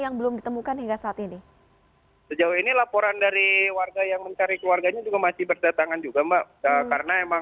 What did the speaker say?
apakah ada laporan dari warga lain misalnya yang mencari keluarganya selain delapan orang